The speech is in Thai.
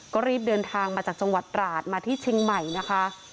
ก็รีบเดินทางมาจากจังหวัดตราดมาที่เชียงใหม่นะคะ